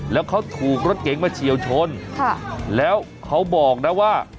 แล้วเขาถูกรถเก๋งมาเฉียวชนแล้วเขาบอกนะว่า